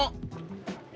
ya beriman dari hongkong